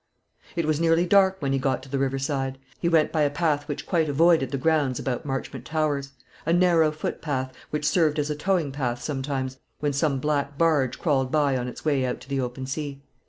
It was nearly dark when he got to the river side. He went by a path which quite avoided the grounds about Marchmont Towers, a narrow footpath, which served as a towing path sometimes, when some black barge crawled by on its way out to the open sea.